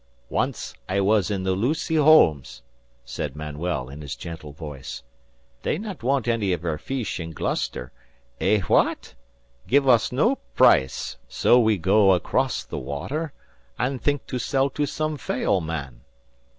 "Once I was in the Lucy Holmes," said Manuel, in his gentle voice. "They not want any of her feesh in Gloucester. Eh, wha at? Give us no price. So we go across the water, and think to sell to some Fayal man.